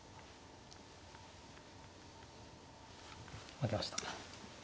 負けました。